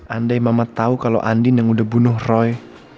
andai mama tahu kalau andin yang udah bunuh roy